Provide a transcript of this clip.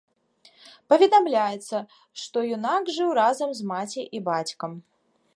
Паведамляецца, што юнак жыў разам з маці і бацькам.